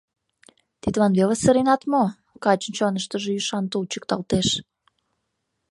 Тидлан веле сыренат мо? — качын чоныштыжо ӱшан тул чӱкталтеш.